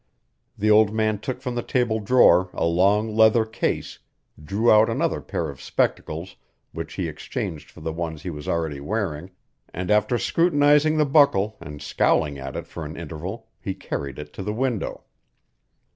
The old man took from the table drawer a long leather case, drew out another pair of spectacles which he exchanged for the ones he was already wearing, and after scrutinizing the buckle and scowling at it for an interval he carried it to the window.